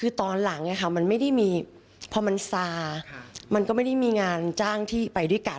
คือตอนหลังมันไม่ได้มีพอมันซามันก็ไม่ได้มีงานจ้างที่ไปด้วยกัน